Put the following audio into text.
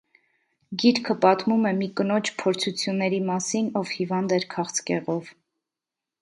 Գիրքը պատմում է մի կնոջ փորձություննների մասին, ով հիվանդ էր քաղցկեղով։